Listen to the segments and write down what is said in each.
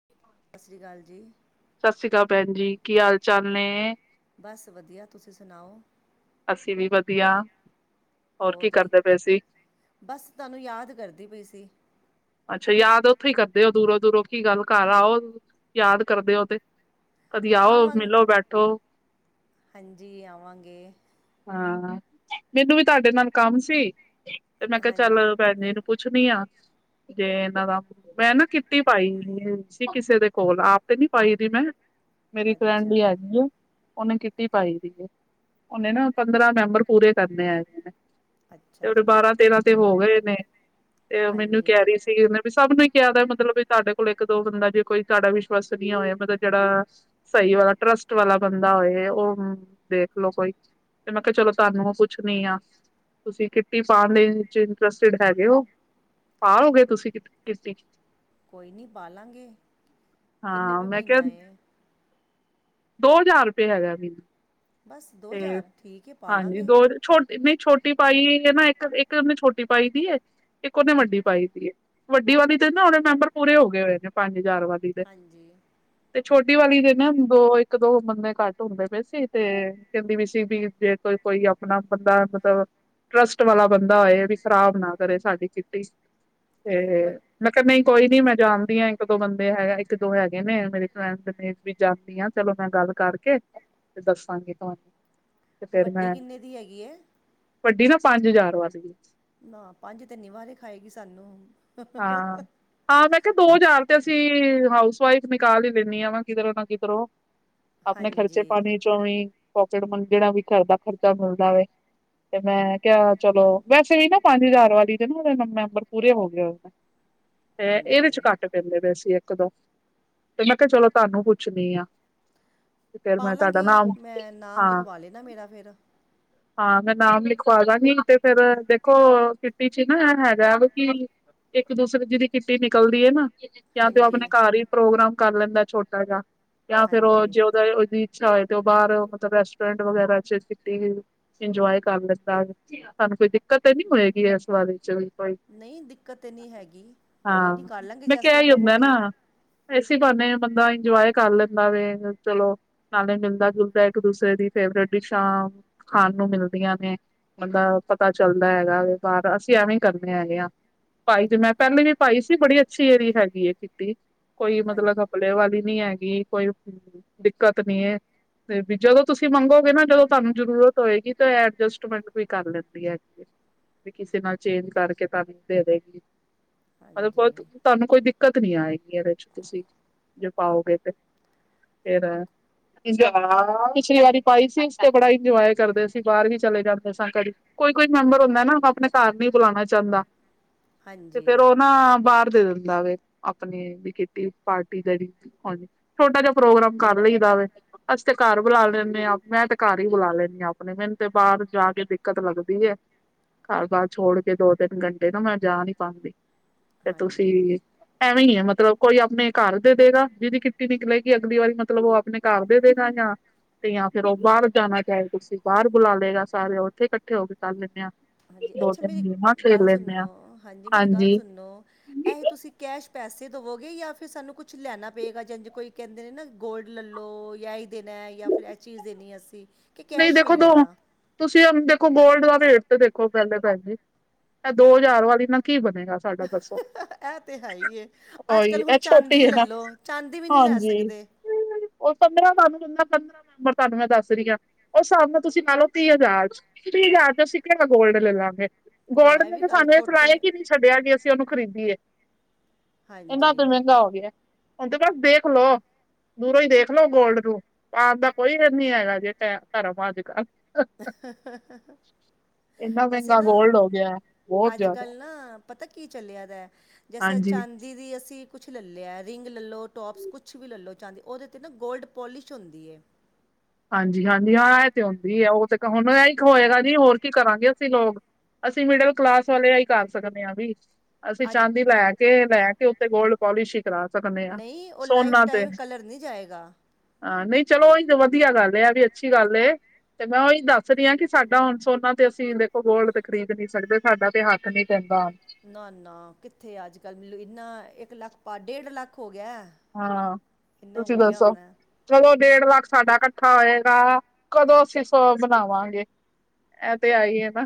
[inaudible] ਸਤਿ ਸ਼੍ਰੀ ਅਕਾਲ ਜੀ। ਸਤਿ ਸ਼੍ਰੀ ਅਕਾਲ ਭੈਣ ਜੀ! ਕੀ ਹਾਲ ਚਾਲ ਨੇ? ਬਸ ਵਧੀਆ ਤੁਸੀਂ ਸੁਣਾਓ? ਅਸੀਂ ਵੀ ਵਧੀਆ। ਹੋਰ ਕੀ ਕਰਦੇ ਪਏ ਸੀ ਬਸ ਤੁਹਾਨੂੰ ਯਾਦ ਕਰਦੀ ਪਈ ਸੀ। ਅੱਛਾ ਯਾਦ ਉੱਥੇ ਹੀ ਕਰਦੇ ਹੋ ਦੂਰੋਂ ਦੂਰੋਂ ਕੀ ਗੱਲ ਘਰ ਆਓ ਯਾਦ ਕਰਦੇ ਹੋ ਤੇ। ਕਦੀ ਆਓ ਆਵਾਂ ਮਿਲੋ ਬੈਠੋ। ਹਾਂਜੀ ਆਵਾਂਗੇ ਹਾਂ ਮੈਨੂੰ ਵੀ ਤੁਹਾਡੇ ਨਾਲ ਕੰਮ ਸੀ ਤੇ ਮੈਂ ਕਿਹਾ ਹਾਂਜੀ ਚੱਲ ਭੈਣ ਜੀ ਨੂੰ ਪੁੱਛਣੀ ਆ। ਜੇ ਇਹਨਾਂ ਦਾ ਮੈਂ ਨਾ ਕਿੱਟੀ ਪਾਈ ਸੀ ਕਿਸੇ ਦੇ ਕੋਲ ਆਪ ਤੇ ਨੀ ਪਾਈ ਦੀ ਮੈਂ। ਮੇਰੀ ਫਰੈਂਡ ਅੱਛਾ ਵੀ ਹੈਗੀ ਆ ਉਹਨੇ ਕਿੱਟੀ ਪਾਈ ਦੀ ਉਹਨੇ ਨਾ ਪੰਦਰਾਂ ਮੈਂਬਰ ਪੂਰੇ ਕਰਨੇ ਹੈਗੇ ਨੇ ਤੇ ਅੱਛਾ ਉਹ ਦੇ ਜੀ ਬਾਰਾਂ ਤੇਰਾਂ ਤੇ ਹੋ ਗਏ ਨੇ ਤੇ ਮੈਨੂੰ ਹਾਂਜੀ ਕਹਿ ਰਹੀ ਸੀ ਉਹੇ ਵੀ ਸਭ ਨੂੰ ਕਿਹਾ ਮਤਲਬ ਵੀ ਤੁਹਾਡੇ ਕੋਲ ਇੱਕ ਦੋ ਬੰਦਾ ਜੇ ਕੋਈ ਤੁਹਾਡਾ ਵਿਸ਼ਵਾਸ ਨੀ ਆ ਹੋਇਆ ਮਤਲਬ ਜਿਹੜਾ ਸਹੀ ਵਾਲਾ ਟਰਸਟ ਵਾਲਾ ਬੰਦਾ ਹੋਏ ਉਹ ਦੇਖਲੋ ਕੋਈ ਤੇ ਮੈਂ ਕਿਹਾ ਚਲੋ ਤੁਹਾਨੂੰ ਪੁੱਛਣੀ ਆ ਤੁਸੀਂ ਕਿਟੀ ਪਾਉਣ ਦੇ ਵਿੱਚ ਇੰਟਰਸਟਿਡ ਹੈਗੇ ਹੋ। ਪਾਓਗੇ ਤੁਸੀਂ ਕਿੱਟੀ, ਕੋਈ ਨਹੀਂ ਪਾਾਲਾਂਗੇ ਕਿੰਨੇ ਹਾਂ ਰੁਪਏ ਮੈਂ ਕਿਹਾ ਮਹੀਨਾ ਏ। ਦੋ ਹਜ਼ਾਰ ਰੁਪਏ ਹੈਗਾ। ਬਸ ਦੋ ਹਜ਼ਾਰ ਠੀਕ ਹੈ ਪਾ ਲਾਂਗੇ। ਛੋਟ ਨਹੀਂ ਛੋਟੀ ਪਾਈ ਏ ਇੱਕ ਇੱਕ ਉਹਨੇ ਛੋਟੀ ਪਾਈ ਦੀ ਐ ਇੱਕ ਉਹਨੇ ਵੱਡੀ। ਪਾਈ ਸੀ ਵੱਡੀ ਵਾਲੀ ਤੇ ਨਾ ਹੁਣੇ ਮੈਂਬਰ ਪੂਰੇ ਹੋ ਗਏ ਹੋਏ ਨੇ ਪੰਜ ਹਜ਼ਾਰ ਵਾਲੀ ਦੇ। ਹਾਂਜੀ ਤੇ ਛੋਟੀ ਵਾਲੀ ਦੇ ਨਾ ਦੋ ਇੱਕ ਦੋ ਬੰਦੇ ਘੱਟ ਹੁੰਦੇ ਪਏ ਸੀ ਤੇ ਕਹਿੰਦੀ ਵੀ ਸੀ ਵੀ ਜੇ ਕੋਈ ਕੋਈ ਆਪਣਾ ਬੰਦਾ ਮਤਲਬ ਟਰੱਸਟ ਵਾਲਾ ਬੰਦਾ ਹੋਏ ਵੀ ਖ਼ਰਾਬ ਨਾ ਕਰੇ ਸਾਡੀ ਕਿੱਟੀ। ਹਾਂਜੀ ਤੇ, ਵ ਮੈਂ ਨਹੀਂ ਕੋਈ ਨੀ ਮੈਂ ਜਾਣਦੀ ਹਾਂ ਇੱਕ ਦੋ ਬੰਦੇ ਹੈਗਾ ਇੱਕ ਦੋ ਹੈਗੇ ਨੇ ਮੇਰੇ ਫਰੈਂਡ ਨੇ। ਵੀ ਜਾਂਦੀ ਆ ਚਲੋ ਮੈਂ ਗੱਲ ਕਰਕੇ ਤੇ ਦੱਸਾਂਗੀ ਤੁਹਾਨੂੰ। ਤੇ ਫਿਰ ਵੱਡੀ ਮੈਂ ਕਿੰਨੇ ਦੀ ਹੈਗੀ ਹੈ ਵੱਡੀ ਨਾ ਪੰਜ ਹਜ਼ਾਰ ਵਾਲੀ। ਨਾ ਪੰਜ ਤੇ ਨੀ ਵਾਰੇ ਖਾਏਗੀ ਸਾਨੂੰ ਹਾਂ, ਹਾਂ ਮੈਂ ਕਿਹਾ ਦੋ ਹਜ਼ਾਰ ਤੇ ਅਸੀਂ ਹਾਊਸ ਵਾਈਫ ਨਿਕਾਲ ਹੀ ਲੈਂਦੀ ਹਾਂ ਵਾ ਕਿਧਰੋਂ ਨਾ ਕਿਧਰੋਂ। ਆਪਣੇ ਖਰਚੇ ਹਾਂਜੀ ਪਾਣੀ ਚੋ ਵੀ ਪੋਕਟ ਮਨੀ ਜਿੜਾ ਵੀ ਘਰ ਦਾ ਖਰਚਾ ਮਿਲਦਾ ਵੈ। ਤੇ ਮੈਂ ਕਿਹਾ ਚਲੋ ਵੈਸੇ ਵੀ ਨਾ ਪੰਜ ਹਜ਼ਾਰ ਵਾਲੀ ਦੇ ਨਾ ਉਹਦੇ ਮੈਂਬਰ ਪੂਰੇ ਹੋ ਗਏ ਹੋ। ਤੇ ਇਹਦੇ ਹਾਂਜੀ ਚ ਕੱਟ ਪੈਂਦੇ ਪਏ ਸੀ ਇੱਕ ਦੋ ਤੇ ਮੈਂ ਕਿਹਾ ਚਲੋ ਤੁਹਾਨੂੰ ਪੁੱਛਣੀ ਆ। ਤੇ ਫੇਰ ਮੈਂ ਤੁਹਾਡਾ ਪਾਲਾਂਗੀ ਨਾਮ ਮੈਂ ਨਾਮ ਹਾਂ ਲਿਖਵਾ ਲੈਣਾ ਮੇਰਾ ਫਿਰ ਹਾਂ ਮੈਂ ਨਾਮ ਲਿਖਵਾ ਦਾਂਗੀ ਤੇ ਫੇਰ ਦੇਖੋ ਕਿਟੀ ਚ ਹੀ ਨਾ ਹੈਗਾ ਕਿ ਇੱਕ ਦੂਸਰੇ ਜਿਹਦੀ ਕਿਟੀ ਨਿਕਲਦੀ ਐ ਨਾ। ਜਾਂ ਤੇ ਉਹ ਆਪਣੇ ਹਾਂਜੀ ਘਰ ਹੀ ਪ੍ਰੋਗਰਾਮ ਕਰ ਲੈਂਦਾ ਛੋਟਾ ਜਿਹਾ ਜਾਂ ਫੇਰ ਉਹ ਹਾਂਜੀ ਜੇ ਉਹਦਾ ਉਹਦੀ ਛਾਏ ਤੇ ਉਹ ਬਾਹਾਰ ਮਤਲਬ ਰੈਸਟੋਰੈਂਟ ਵਗੈਰਾ ਚ ਕਿਟੀ ਇੰਜੋਏ ਕਰ ਲਿਤਾ, ਸਾਨੂੰ ਕੋਈ ਦਿੱਕਤ ਨੀ ਹੋਏਗੀ, ਇਸ ਬਾਰੇ ਚ ਵੀ। ਕੋਈ ਨਹੀਂ ਦਿੱਕਤ ਤਾਂ ਨਹੀਂ ਹੈਗੀ, ਕੋਈ ਹਾਂ ਨਹੀਂ ਕਰ ਲਾਂਗੇ ਜਿਸ ਤਰ੍ਹਾਂ ਕਹੋਗੇ। ਐਸੇ ਬਹਾਨੇ ਬੰਦਾ ਇੰਜੋਏ ਕਰ ਲੈਂਦਾ ਵੇ ਚਲੋ। ਨਾਲੇ ਮਿਲਦਾ ਜੁਲਦਾ ਇੱਕ ਦੂਸਰੇ ਦੀ ਫੇਵਰੇਟ ਡਿਸ਼ਾਂ ਖਾਣ ਨੂੰ ਮਿਲਦੀਆਂ ਨੇ, ਮਤਲਬ ਪਤਾ ਚੱਲਦਾ ਹੈਗਾ, ਬਾਹਾਰ ਅਸੀਂ ਐਵੇਂ ਹੀ ਕਰਨੇ ਹੈਗੇ ਆ। ਪਾਈ ਸੀ, ਮੈਂ ਪਹਿਲੀ ਵੀ ਪਾਈ ਸੀ, ਬੜੀ ਅੱਛੀ ਇਹਦੀ ਹੈਗੀ ਕੀਤੀ ਕੋਈ ਹਾਂਜੀ ਮਤਲਬ ਲੇ ਵਾਲੀ ਨੀ ਹੈਗੀ ਕੋਈ ਦਿੱਕਤ ਨੀ ਤੇ ਵੀ ਜਦੋਂ ਤੁਸੀਂ ਮੰਗੋਗੇ, ਨਾ ਜਦੋਂ ਤੁਹਾਨੂੰ ਜ਼ਰੂਰਤ ਹੋਏਗੀ, ਤੇ ਐਡਜਸਟਮੈਂਟ ਵੀ ਕਰ ਲੈਂਦੀ ਹੈਗੀ ਹੈ। ਵੀ ਕਿਸੇ ਨਾਲ ਚੇਂਜ ਕਰਕੇ ਤਾਂ ਨਹੀਂ ਦੇ ਦੇਗੀ। ਮਤਲਬ ਬਹੁਤ ਤੁਹਾਨੂੰ ਕੋਈ ਦਿੱਕਤ ਨੀ ਆਏਗੀ, ਇਹਦੇ ਚ ਤੁਸੀਂ ਜੋ ਪਾਓਗ ਤੇ, ਫਰ ਪਿਛਲੀ ਵਾਲੀ ਪਾਈ ਸੀ, ਤੇ ਬੜਾ ਇੰਨਜੋ ਆ ਕਰਦੇ ਅਸੀਂ ਬਾਹਰ ਹੀ ਚਲੇ ਜਾਂਦੇ ਸਾਂ ਘੜੀ ਕੋਈ ਕੋਈ ਮੈਂਬਰ ਹੁੰਦਾ, ਨਾ ਆਪਣੇ ਘਰ ਨਹੀਂ ਬੁਲਾਉਣਾ ਚਾਹੁੰਦਾ। ਤੇ ਫੇਰ ਹਾਂਜੀ ਉਹ ਨਾ ਬਾਹਰ ਦੇ ਦਿੰਦੀ। ਦਾ ਆਪਣੀ ਵੀ ਪਾਰਟੀ ਜੜੀ ਆਣੀ ਛੋਟਾ ਜਿਹਾ ਪ੍ਰੋਗਰਾਮ ਕਰ ਲਈਦਾ, ਵੇ ਅਸੀਂ ਤੇ ਘਰ ਬੁਲਾ ਲੈਂਨੇ ਹਾਂ ਮੈਂ ਤੇ ਘਰ ਹੀ ਬੁਲਾ ਲੈਂਨੀ ਹਾਂ। ਆਪਣੇ ਮੈਨੂੰ ਤੇ ਬਾਹਰ ਜਾ ਕੇ ਦਿੱਕਤ ਲੱਗਦੀ ਹੈ। ਘਰ ਬਰ ਛੋੜ ਕੇ ਦੋ ਤਿੰਨ ਘੰਟੇ ਨਾ ਮੈਂ ਜਾ ਨਹੀ ਪਾਉਂਦੀ ਤੇ ਹਾਂਜੀ ਤੁਸੀਂ ਐਵੇਂ ਹੀ ਹੈ, ਮਤਲਬ ਕੋਈ ਆਪਣੇ ਘਰ ਦੇ ਦੇਗਾ, ਜਿਹਦੀ ਕਿਟੀ ਨਿਕਲੇਗੀ ਅਗਲੀ ਵਾਰੀ ਮਤਲਬ ਉਹ ਆਪਣੇ ਘਰ ਦੇ ਦੇਗਾ ਜਾਂ। ਤੇ ਜਾਂ ਫੇਰ ਉਹ ਬਾਹਰ ਜਾਣਾ ਚਾਹੇ ਤੁਸੀਂ ਬਾਹਰ ਬੁਲਾ ਲਏਗਾ, ਸਾਰੇ ਉੱਥੇ ਇਕੱਠੇ ਹੋ ਕੇ ਕਰ ਲੈਂਦੇ ਆ। ਹਾਂਜੀ, ਦੋ ਅੱਛਾ ਮੇਰੀ ਤਿੰਨ ਗੇਮਾਂ ਖੇਡ ਗੱਲ ਲੈਂਦੇ ਆ ਸੁਣੋ ਹਾਂਜੀ ਮੇਰੀ ਗੱਲ ਸੁਣੋ, ਇਹ ਤੁਸੀਂ ਕੈਸ਼ ਪੈਸੇ ਦੇਵੋਗੇ, ਜਾਂ ਫਿਰ ਸਾਨੂੰ ਕੁਛ ਲੈਣਾ ਪਏਗਾ, ਜਾਂ ਜੇ ਕੋਈ ਕਹਿੰਦੇ ਨੇ ਨਾ ਗੋਲਡ ਲੈ ਲਉ ਜਾਂ। ਦੇਣਾ ਜਾਂ ਫਿਰ ਇਹ ਚੀਜ਼ ਦੇਣੀ ਅਸੀਂ ਕਿ ਨਹੀਂ ਕੈਸ਼ ਦੇਖੋ, ਮਿਲੇਗਾ ਤੁਸੀਂ ਦੇਖੋ ਗੋਲਡ ਦਾ ਵੇਟ ਤੇ ਦੇਖੋ ਪਹਿਲੇ ਪੈ ਜੇ ਇਹ ਦੋ ਹਜ਼ਾਰ ਵਾਲੀ ਨਾ ਕੀ ਬਣੇਗਾ, ਸਾਡਾ ਦੱਸੋ। ਇਹ ਤਾਂ ਹੈ ਹੀ ਹੈ, ਉਹੀ ਅੱਜ-ਕੱਲ੍ਹ ਹੁਣ ਇਹ ਛੋਟੀ ਚਾਂਦੀ ਹੈ ਲੈ ਨਾ। ਲਉ ਚਾਂਦੀ ਵੀ ਨਹੀਂ ਲੈ ਹਾਂਜੀ ਸਕਦੇ। ਉਹ ਪੰਦਰਾਂ ਮਨਦਾ ਪੰਦਰਾਂ ਮੈਂਬਰ ਤੁਹਾਨੂੰ ਮੈਂ ਦੱਸ ਰਹੀ ਹਾਂ। ਉਹ ਸਾਹਮਣੇ ਤੁਸੀਂ ਮੰਨ ਲਓ, ਤੀਹ ਹਜ਼ਾਰ ਚ ਤੀਹ ਹਜ਼ਾਰ ਚ ਅਸੀਂ ਕਿਹੇ ਮੈਂ ਗੋਲਡ ਲੈ ਲਾਂਗੇ। ਹਾਂ ਗੋਲਡ ਨੇ ਵੀ ਤੇ ਗੱਲ ਸਾਨੂੰ ਇਹ ਸੁਲਾਇਆ ਛੋਟੀ ਕਿ ਛੱਡਿਆ ਕਿ ਅਸੀਂ ਉਹਨੂੰ ਖਰੀਦੀਏ, ਇਹਨਾਂ ਤੇ ਹਾਂਜੀ ਮਹਿੰਗਾ ਹੋ ਗਿਆ। ਹੁ ਤੇ ਬਸ ਦੇਖ ਲੋੋ ਦੂਰੋਂ ਹੀ ਦੇਖ ਲੋੋ, ਗੋਲਡ ਨੂੰ ਪਾਉਣ ਦਾ ਕੋਈ ਨੀ ਹੈਗਾ ਜੇ। [unintelligible] ਇੰਨਾ ਵੈਸੇ ਮਹਿੰਗਾ ਨਾ ਗੋਲਡ ਹੋ ਗਿਆ ਬਹੁਤ ਜ਼ਿਆਦਾ ਅੱਜ-ਕੱਲ ਨਾ, ਪਤਾ ਕੀ ਚੱਲਿਆ, ਦਾ ਜੈਸੇ ਹਾਂਜੀ ਚਾਂਦੀ ਦੀ ਅਸੀਂ ਕੁਛ ਲੈ ਲਿਆ, ਰਿੰਗ ਲੈ ਲੋ ਟੋਪਸ ਕੁਛ ਵੀ ਲੈ ਲਉ, ਚਾਂਦੀ ਉਹਦੇ ਤੇ ਨਾ ਗੋਲਡ ਪੋਲਿਸ਼ ਹੁੰਦੀ ਹੈ। ਹਾਂਜੀ-ਹਾਂਜੀ, ਹਾਂ ਇਹ ਤੇ ਹੁੰਦੀ ਉਹ ਤੇ ਹੁਣ ਇਹ ਹੋਏਗਾ, ਜੀ ਹੋਰ ਕੀ ਕਰਾਂਗੇ ਅਸੀਂ ਲੋਕ। ਅਸੀਂ ਮਿਡਲ ਕਲਾਸ ਵਾਲਿਆਂ ਹੀ ਕਰ ਸਕਦੇ ਹਾਂ ਵੀ। ਅਸੀਂ ਅੱਜ ਚਾਂਦੀ ਲੈ ਕੇ ਲੈ ਕੇ ਉੱਥਤੇ ਗੋਲਡ ਪੋਲਿਸ਼ ਹੀ ਕਰਾ ਸਕਦੇ ਹਾਂ, ਨਹੀਂ ਉਹ ਲਾਈਫ ਸੋਨਾ ਤੇ। ਟਾਈਮ ਕਲਰ ਨਹੀਂ ਜਾਏਗਾ। ਹਾਂ ਨਹੀਂ ਚਲੋ, ਉਹੀ ਵਧੀਆ ਗੱਲ ਆ ਵੀ ਅੱਛੀ ਗੱਲ ਏ। ਤੇ ਮੈਂ ਉਹੀ ਦੱਸ ਰਹੀ ਹਾਂ, ਕਿ ਸਾਡਾ ਹੁਣ ਸੋਨਾ ਤੇ ਅਸੀਂ ਦੇਖੋ, ਗੋਲ ਤੇ ਖਰੀਦ ਨੀ ਸਕਦੇ, ਸਾਡਾ ਤੇ ਹੱਕ ਨੀ ਕਹਿੰਦਾ ਹੁਣ ਨਾ-ਨਾ, ਕਿੱਥੇ ਅੱਜ-ਕੱਲ੍ਹ ਮੈਨੂੰ ਇੰਨਾ ਇੱਕ ਲੱਖ ਪਾ ਡੇਢ ਲੱਖ ਹੋ ਗਿਆ। ਹਾਂ, ਇੰਨਾ ਤੁਸੀਂ ਹੋ ਗਿਆ ਦੱਸੋ? ਹੋਣਾ ਹੈ। ਚਲੋ ਡੇਢ ਲੱਖ ਸਾਡਾ ਇਕੱਠਾ ਹੋਏਗਾ, ਕਦੋਂ ਅਸੀਂ ਸੌ ਬਣਾਵਾਂਗੇ। ਇਹ ਤੇ ਆਈ ਹੈ ਨਾ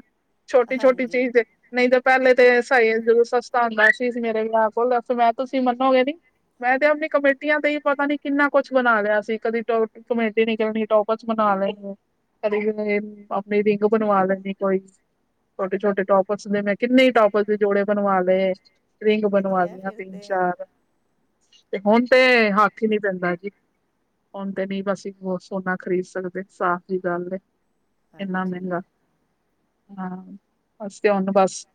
ਛੋਟੀ-ਛੋਟੀ ਹਾਂਜੀ ਚੀਜ਼ ਨਹੀਂ ਤਾਂ ਪਹਿਲੇ ਤੇ ਸਹੀ ਜਦੋਂ ਸਸਤਾ ਹੁੰਦਾ ਸੀ, ਮੇਰੇ ਵੀ ਕੋਲ ਫੇਰ ਮੈਂ ਤੁਸੀਂ ਮੰਨੋਗੇ ਨੀ। ਮੈਂ ਤੇ ਆਪਣੀ ਕਮੇਟੀਆਂ ਤੇ ਹੀ ਪਤਾ ਨੀ, ਕਿੰਨਾ ਕੁਛ ਬਣਾ ਲਿਆ ਸੀ, ਕਦੀ ਟੋਪ ਕਮੇਟੀ ਨਿਕਲਣੀ ਟੋਪ ਬਸ ਬਣਾ ਲੈਂਦੇ ਆ, ਕਦੇ ਆਪਣੇ ਰਿੰਗ ਬਣਵਾ ਲੈਂਦੇ ਕੋਈ ਛੋਟੇ- ਛੋਟੇ ਟੋਪਰਸ ਦੇ ਮੈਂ ਕਿੰਨੇ ਟੋਪਰਸ ਦੇ ਜੋੜੇ ਬਣਵਾ ਲਏ ਰਿੰਗ ਬਣਵਾ ਵਧੀਆ ਹੈ ਦੀਆਂ ਫਿਰ ਤਿੰਨ ਤੇ -ਚਾਰ, ਤੇ ਹੁਣ ਤੇ ਹੱਥ ਹੀ ਨੀ ਪੈਂਦਾ ਜੀ ਹਣ ਤੇ ਨਹੀਂ ਬਸ ਇਕ ਹੋਰ ਸੋਨਾ ਖਰੀਦ ਸਕਦੇ, ਸਾਫ਼ ਦੀ ਗੱਲ ਇੰਨਾ ਹਾਂਜੀ ਮਹਿੰਗਾ, ਹਾਂ ਬਸ ਤੇ ਉਹਨੂੰ ਬਸ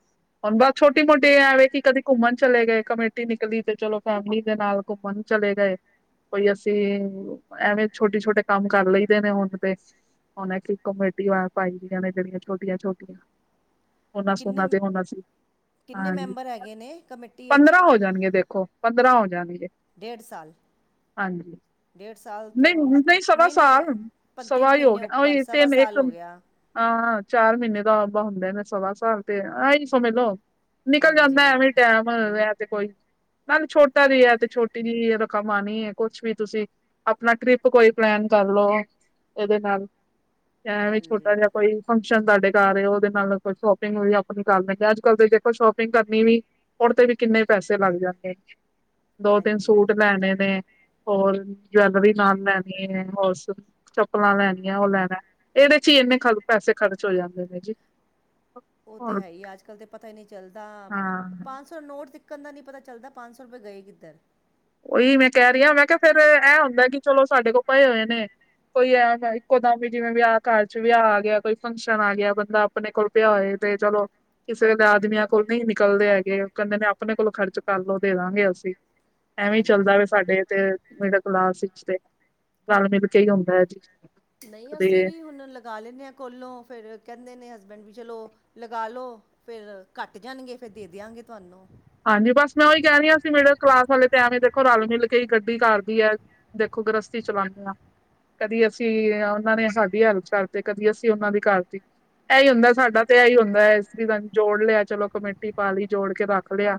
ਹੁਣ ਬਸ ਛੋਟੀ ਮੋਟੀ ਇਹ ਐਵੇਂ ਕਿ ਕਦੇ ਘੁੰਮਣ ਚਲੇ ਗਏ, ਕਮੇਟੀ ਨਿਕਲੀ ਤੇ ਚਲੋ ਫੈਮਿਲੀ ਦੇ ਨਾਲ ਘੁੰਮਣ ਚਲੇ ਗਏ ਕੋਈ ਅਸੀਂ ਐਵੇਂ ਛੋਟੇ- ਛੋਟੇ ਕੰਮ ਕਰ ਲਈਦੇ ਨੇ ਹੁਣ ਤੇ ਉਹਨਾ 'ਚ ਕਮੇਟੀ ਪਾਈ ਦੀਆਂ ਨੇ ਜਿਹੜੀਆਂ ਛੋਟੀਆਂ- ਛੋਟੀਆਂ ਉਹਨਾਂ ਕਿੰਨੇ ਸੋਨਾ ਤੇ ਹੋਣਾ ਸੀ ਕਿੰਨੇ ਹਾਂਜੀ, ਮੈਂਬਰ ਹੈਗੇ ਨੇ ਕਮੇਟੀ ਵਿੱਚ ਪੰਦਰਾਂ ਹੋ ਜਾਣਗੇ, ਦੇਖੋ ਪੰਦਰਾਂ ਹੋ ਹਾਂਜੀ [unintelligible] ਡੇਢ ਸਾਲ ਨਹੀਂ, ਨਹੀਂ ਸਵਾ ਸਾਲ, ਸਵਾ ਹੀ ਹੋ ਗਿਆ ਉੱਪਰ ਉਹੀ ਹ ਸਵਾ ਤਿੰਨ ਸਾਲ ਇਕ ਹੋ ਗਿਆ ਹਾਂ ਚਾਰ ਮਹੀਨੇ ਦਾਬ ਹੁੰਦਾ ਨਾ ਸਵਾ ਸਾਲ ਤੇ ਆ ਸਮਝ ਲਓ ਨਿਕਲ ਹਾਂਜੀ ਜਾਂਦਾ ਐਵੇਂ ਟਾਈਮ, ਐ ਤੇ ਕੋਈ ਨਾਲ ਛੋਟਾ ਵੀ ਹੈ ਤੇ ਛੋਟੀ ਜ ਰਕਮ ਆਉਣੀ ਹੈ ਕੁਛ ਵੀ ਤੁਸੀਂ ਆਪਣਾ ਟ੍ਰਿਪ ਕੋਈ ਪਲੈਨ ਕਰ ਲੋ, ਇਹਦੇ ਨਾਲ, ਐ ਵੀ ਛੋਟਾ ਹਾਂਜੀ ਜਿਹਾ ਕੋਈ ਫੰਕਸ਼ਨ ਤੁਹਾਡੇ ਘਰ ਉਹਦੇ ਨਾਲ ਕੋਈ ਸ਼ੋਪਿੰਗ ਵੀ ਆਪਣੀ ਕਰ ਲੈਣੀ ਅੱਜ ਕੱਲ ਤੇ ਦੇਖੋ ਸ਼ੋਪਿੰਗ ਕਰਨੀ ਵੀ ਉਹਦੇ ਤੇ ਵੀ ਕਿੰਨੇ ਪੈਸੇ ਲੱਗ ਜਾਂਦੇ, ਦੋ ਤਿੰਨ ਹਾਂਜੀ ਸੂਟ ਲੈਣੇ ਨੇ ਹੋਰ ਜਿਊਲਰੀ ਨਾਲ ਲੈਣੀ ਹੈ ਹੋਸੂ ਚੱਪਲਾਂ ਲੈਣੀਆਂ, ਉਹ ਲੈਣਾ ਇਹਦੇ ਚ ਹੀ ਇੰਨੇ ਖ ਪੈਸੇ ਖਰਚ ਹੋ ਜਾਂਦੇ ਨੇ ਜੀ ਔ ਤੇ ਹੈ ਈ, ਅੱਜ-ਕੱਲ ਤੇ ਪਤਾ ਹੀ ਨੀ ਚੱਲਦਾ, ਹਾਂ ਪੰਜ ਸ ਸੌ ਨੋਟ ਤਿੱੱਕਣ ਦਾ ਨ੍ਹੀਂ ਪਤਾ ਚੱਲਦਾ, ਪੰਜ ਸੌ ਰੁਪਏ ਗਏ ਕਿੱਧਰ? ਓਹੀ ਮੈਂ ਕਹਿ ਰਹੀ ਆਂ ਮੈਂ ਕਹਿ, ਫੇਰ ਐ ਹੁੰਦਾ ਕਿ ਚਲੋ ਸਾਡੇ ਕੋਲ ਪਏ ਹੋਏ ਨੇ। ਕੋਈ ਐ ਮੈਂ ਇੱਕੋਦਮ ਵੀ ਜਿਵੇਂ ਵਿਆਹ ਘਰ ਚ ਵਿਆਹ ਆ ਗਿਆ, ਕੋਈ ਫੰਕਸ਼ਨ ਆ ਗਿਆ, ਬੰਦਾ ਅਪਣੇ ਕੋਲ ਪਿਆ ਹੋਏ ਤੇ ਚਲੋ। ਕਿਸੇ ਵੇਲੇ ਆਦਮੀਆਂ ਕੋਲ ਨਹੀਂ ਨਿਕਲਦੇ ਹੈਗੇ, ਔ ਕਹਿੰਦੇ ਨੇ ਅਪਣੇ ਕੋਲੋਂ ਖਰਚ ਕਰਲੋ, ਦੇ ਦੇਵਾਂਗੇ ਅਸੀਂ। ਐਵੇਂ ਹੀ ਚੱਲਦਾ ਹਾਂਜੀ ਵੇ ਸਾਡੇ ਤੇ ਮਿਡਲ ਕਲਾਸ ਵਿਚ ਤੇ, ਰਲ ਮਿਲ ਕੇ ਹੀ ਹੁੰਦਾ ਐ ਜੀ। ਨਹੀਂ ਅਸੀਂ ਕਦੇ ਵੀ ਹੁਣ ਲਗਾ ਲੈਂਦੇ ਆਂ ਕੋਲੋਂ, ਫਿਰ ਕਹਿੰਦੇ ਨੇ ਹਸਬੈਂਡ ਬੀ ਚਲੋ ਲਗਾ ਲੋ ਫਿਰ ਘਟ ਜਾਣਗੇ ਫਿਰ ਦੇ ਦਿਆਂਗੇ ਤੁਹਾਨੂੰ ਹਾਂਜੀ ਬਸ ਮੈਂ ਉਹੀ ਕਹਿ ਰਹੀ ਹਾਂ, ਮਿਡਲ ਕਲਾਸ ਵਾਲੇ ਤੇ ਐਵੇਂ ਦੇਖੋ ਰਲ ਮਿਲ ਕੇ ਗੱਡੀ ਕਰਦੀ ਹੈ ਦੇਖੋ ਗ੍ਰਸਤੀ ਚਲਾਉਂਦੇ ਹਾਂ ਕਦੀ ਅਸੀਂ ਉਹਨਾਂ ਨੇ ਸਾਡੀ ਹੈਲਪ ਕਰਤੀ ਕਦੀ ਅਸੀਂ ਉਹਨਾਂ ਦੀ ਕਰਤੀ ਇਹੀ ਹੁੰਦਾ ਸਾਡਾ ਤੇ ਇਹੀ ਹੁੰਦਾ ਇਸ ਜੋੜ ਲਿਆ ਚਲੋ ਕਮੇਟੀ ਪਾ ਲਈ ਜੋੜ ਕੇ ਰੱਖ ਰਖ ਲਿਆ,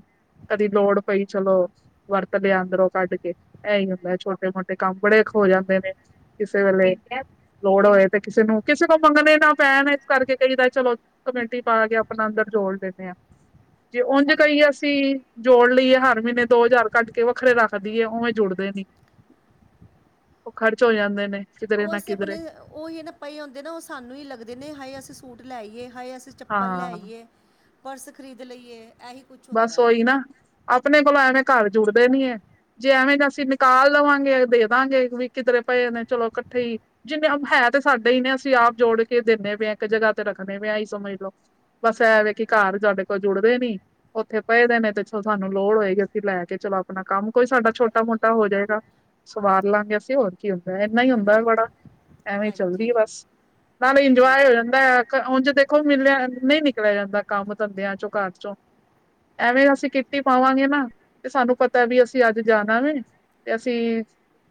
ਕਦੀ ਲੋੜ ਪਈ ਚਲੋ ਵਰਤ ਲਿਆ ਅੰਦਰੋਂ ਕੱਢ ਕੇ, ਇਹੀ ਹੁੰਦਾ ਛੋਟੇ ਮੋਟੇ ਕੰਮ ਬੜੇ ਹੋ ਜਾਂਦੇ ਨੇ ਕਿਸੇ ਵੇਲੇ, ਲੋੜ ਹੋਏ ਤੇ ਕਿਸੇ ਨੂੰ ਕਿਸੇ ਕੋ ਮੰਗਣੇ ਨਾ ਪੈਣ ਇਸ ਕਰਕੇ ਕਈਦਾ ਚਲੋ ਕਮੇਟੀ ਪਾ ਕੇ ਆਪਣਾ ਅੰਦਰ ਜੋੜ ਲੈਂਦੇ ਹਾਂ, ਜੇ ਉਂਝ ਕਈ ਅਸੀਂ ਜੋੜ ਲਈਏ ਹਰ ਮਹੀਨੇ ਦੋ ਹਜ਼ਾਰ ਕੱਢ ਕੇ ਵੱਖਰੇ ਰੱਖ ਦੇਈ, ਉਵੇਂ ਜੁੜਦੇ ਨੀ ਉਹ ਖ਼ਰਚ ਹੋ ਜਾਂਦੇ ਨੇ। ਕਿਧਰੇ ਉਹ ਨਾ ਅਸੀਂ ਕਿਧਰੇ ਅਪਣੇ ਓਹੀ ਪਏ ਹੁੰਦੇ ਨਾ ਓਹ ਸਾਨੂੰ ਹੀ ਲੱਗਦੇ ਨੇ ਹਾਏ ਅਸੀਂ ਸੂਟ ਲੈ ਆਈਏ, ਹਾਏ ਅਸੀਂ ਚੱਪਲ ਲੈ ਹਾਂ ਆਈਏ, ਪਰਸ ਖਰੀਦ ਲਈਏ। ਐਹੀ ਬਸ ਓਹੀ ਨਾ, ਅਪਣੇ ਕੋਲੋਂ ਐਵੇਂ ਘਰ ਜੁੜਦੇ ਨੀ ਐ। ਜੇ ਐਵੇਂ ਦਾ ਅਸੀਂ ਨਿਕਾਲ ਲਵਾਂਗੇ ਦੇ ਦੇਵਾਂਗੇ ਵੀ ਕਿਧਰੇ ਪਏ ਨੇ ਚਲੋ ਇਕੱਠੇ ਈ ਜਿੰਨੇ ਹਮ ਹੈ ਤੇ ਸਾਡੇ ਈ ਨੇ ਅਸੀਂ ਆਪ ਜੋੜ ਕੇ ਦਿੰਦੇ ਪੇ ਆਂ, ਇੱਕ ਜਗ੍ਹਾ ਤੇ ਰੱਖਣੇ ਪਏ ਆਂ ਐਹੀ ਸਮਝ ਲੋ। ਬਸ ਐਂਵੇ ਕਿ ਘਰ ਸਾਡੇ ਕੋਲ ਜੁੜਦੇ ਨੀ ਉਥੇ ਪਏਦੇ ਨੇ ਤੇ ਸਾਨੂੰ ਲੋੜ ਹੋਏਗੀ ਅਸੀਂ ਲੈ ਕੇ ਚਲੋ ਅਪਣਾ ਕੰਮ ਕੋਈ ਸਾਡਾ ਛੋਟਾ-ਮੋਟਾ ਹੋ ਜਾਏਗਾ। ਸਵਾਰ ਲਵਾਂਗੇ ਅਸੀਂ, ਹੋਰ ਕੀ ਹੁੰਦਾ ਏਨਾ ਹੀ ਹੁੰਦਾ ਹਾਂਜੀ ਬੜਾ, ਐਵੇਂ ਈ ਚੱਲਦੀ ਏ ਹਾਂਜੀ ਬਸ। ਨਾਲੇ ਤੋ ਇੰਜੋਏ ਹੋ ਜਾਂਦਾ। ਬ ਕ ਉਂਜ ਦੇਖੋ ਮਿਲਿਆ ਨਹੀਂ ਨਿਕਲਿਆ ਜਾਂਦਾ ਕੰਮ ਧੰਦਿਆਂ ਚੋਂ ਘਰ ਚੋਂ। ਐਵੇਂ ਅਸੀਂ ਕਿੱਟੀ ਪਾਵਾਂਗੇ ਨਾ ਤੇ ਸਾਨੂੰ ਪਤੈ ਬੀ ਅਸੀਂ ਅੱਜ ਜਾਣਾ ਵੇ ਤੇ ਅਸੀਂ।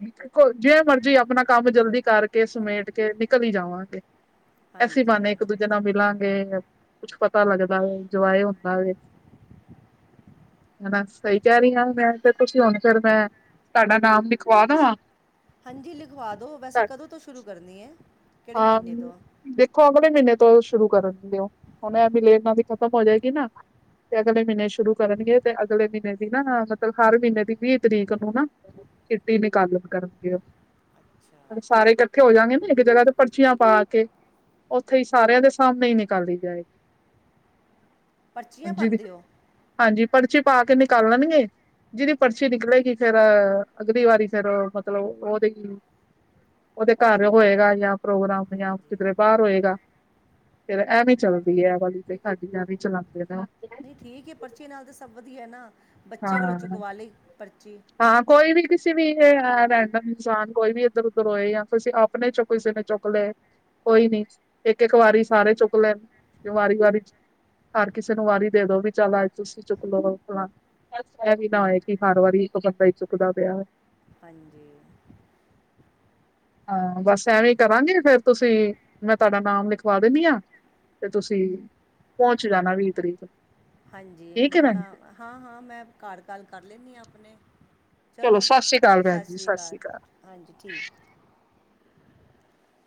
ਨਿਕੀ ਕੋ ਜਿਵੇ ਮਰਜੀ ਆਪਣਾ ਕੰਮ ਜਲਦੀ ਕਰਕੇ ਸਮੇਟ ਕੇ ਨਿਕਲ ਹੀ ਜਾਵਾਂਗੇ। ਐਸੀ ਬਾਨੇ ਹਾਂਜੀ ਇੱਕ ਦੂਜੇ ਨਾਲ ਮਿਲਾਂਗੇ ਕੁੱਛ ਪਤਾ ਲੱਗਦਾ ਏ ਇਨਜਾਏ ਹੁੰਦਾ ਵੇ। ਹਨਾ ਸਹੀ ਕੈ ਰਈ ਆਂ ਮੈਂ ਤੇ ਤੁਸੀਂ ਹੁਣ ਫੇਰ ਮੈਂ ਤਾਡਾ ਨਾਮ ਲਿਖਵਾ ਦਾ। ਹਾਂਜੀ ਲਿਖਵਾ ਦੋ। ਵੈਸੇ ਕਦੋਂ ਤੋਂ ਸ਼ੁਰੂ ਕਰਨੀ ਏ। ਹਾਂਮ। ਦੇਖੋ ਅਗਲੇ ਮੀਨੇ ਤੋਂ ਸ਼ੁਰੂ ਕਰਨ ਗੇ ਔ। ਹੁਣ ਐ ਮਿਲੇ ਐਨਾ ਦੀ ਖ਼ਤਮ ਹੋ ਜੇਗੀ ਨਾ। ਤੇ ਅਗਲੇ ਮੀਨੇ ਸ਼ੁਰੂ ਕਰਨਗੇ ਤੇ ਅਗਲੇ ਮੀਨੇ ਦੀ ਨਾ ਮਤਲਬ ਹਰ ਮੀਨੇ ਦੀ ਵੀਹ ਤਰੀਕ ਨੂੰ ਨਾ। ਕਿਟੀ ਨਿਕਾਲਣ ਕਰਨਗੇ ਅੱਛਾ ਓਹ। ਸਾਰੇ ਕੱਠੇ ਹੋ ਜਾਗੇ ਨਾ ਇੱਕ ਜਗ੍ਹਾ ਤੇ। ਪਰਚੀਆਂ ਪਾ ਕੇ ਔਥੇ ਹੀ ਸਾਰਿਆਂ ਦੇ ਸਾਹਮਣੇ ਹੀ ਨਿਕਾਲੀ ਜਾਏਗੀ। ਪਰਚੀਆਂ ਜਿਦੀ ਪਾਉਂਦੇ ਹੋ ਹਾਂਜੀ ਪਰਚੀ ਪਾ ਕੇ ਨਿਕਾਲਣਗੇ ਜਿਦੀ ਅੱ ਪਰਚੀ ਨਿਕਲੇਗੀ। ਫਿਰ ਅਗਲੀ ਵਾਰੀ ਫਿਰ ਮਤਲਬ ਓਹਦੀ ਔਦੇ ਘਰ ਹੋਏਗਾ ਯਾ ਪ੍ਰੋਗਰਾਮ ਯਾ ਹਾਂਜੀ ਕਿਧਰੇ ਬਾਰ ਹੋਏਗਾ। ਫਿਰ ਐਵੇਂ ਚੱਲਦੀ ਏ ਐ ਵਾਲੀ ਤੇ ਸਾਡੀ ਐਵੇਂ ਚਲਾੰਦੇ ਨਾ। ਨਹੀਂ ਠੀਕ ਏ ਪਰਚੀ ਨਾਲ ਤਾਂ ਸਭ ਵਧੀਐ ਨਾ ਬੱਚੇ ਕੋਲੋਂ ਹਾਂ ਚੁਕਵਾ ਲਈ ਪਰਚੀ। ਹਾਂ ਕੋਈ ਵੀ ਕਿਸੀ ਵੀ ਏ ਅ ਰੈੰਡਮ ਇਨਸਾਨ ਕੋਈ ਵੀ ਏਧਰ ਉੱਧਰ ਹੋਏ ਯਾ ਫੇ ਅਸੀਂ ਆਪ। ਫਨੇ ਚੋਕੋ ਇਸ ਮੇ‌ ਚੋਕਲੇ। ਕੋਈ ਨੀ ਇਏਕ ਏਕ ਵਾਰੀ ਸਾਰੇ ਚੁੱਕ ਲੈਣ ਵਾਰੀ ਵਾਰੀ। ਹਰ ਕਿਸੇ ਨੂੰ ਵਾਰੀ ਦੇ ਦੋ ਬੀ ਚੱਲ ਅੱਜ ਤੁਸੀਂ ਚੁੱਕ ਲੋ ਫਲਾਣੀ। ਬਸ ਐ ਵੀ ਨਾ ਹੋਏ ਕੀ ਏ ਕਿ ਹਰ ਵਾਰੀ ਇੱਕ ਬੰਦਾ ਹੀ ਚੁੱਕਦਾ ਪਿਆ ਏ। ਹਾਂਜੀ। ਹਾਂ ਬਸ ਐਵੇਂ ਕਰਾਂਗੇ ਫੇਰ ਤੁਸੀਂ ਮੈਂ ਤੁਹਾਡਾ ਨਾਮ ਲਿਖਵਾ ਦਿੰਦੀ ਹਾਂ। ਤੇ ਤੁਸੀਂ ਪਹੁੰਚ ਜਾਣਾ ਵੀਹ ਤਰੀਕ। ਹਾਂਜੀ ਠੀਕ ਹੈ ਮੈਂ ਭੈਣ ਨਾ ਜੀ ਹਾਂ ਹਾਂ ਮੈਂ ਕਾਰ ਕਾਲ ਕਰ ਲੈਣੀ ਹਾਂ ਆਪਣੇ। ਚਲੋ ਸਤਿ ਸ੍ਰੀ ਅਕਾਲ ਭੈਣ ਸਤਿ ਜੀ ਸ਼੍ਰੀ ਅਕਾਲ ਸ੍ਰੀ ਹਾਂਜੀ ਠੀਕ।